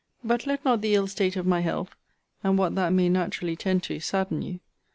But let not the ill state of my health, and what that may naturally tend to, sadden you.